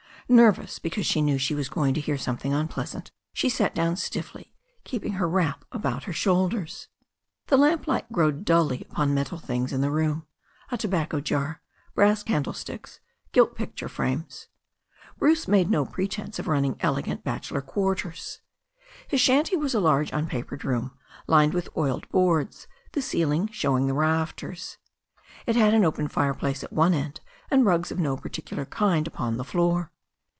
Nervous because she knew she was going to hear something unpleasant, she sat down stiffly, keeping her wrap about her shoulders. The lamplight glowed dully upon metal things in the room, a tobacco jar, brass candlesticks, gilt picture frames. Bruce made no pretence of running elegant bachelor quar ters. His shanty was a large tmpapered room, lined with oiled boards, the ceiling showing the rafters. It had an open fireplace at one end, and rugs of no particular kind upon the floor.